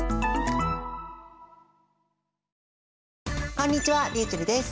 こんにちはりゅうちぇるです。